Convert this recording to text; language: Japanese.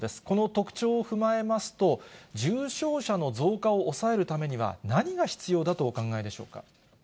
この特徴を踏まえますと、重症者の増加を抑えるためには、何が必要だとお考えでしょうか。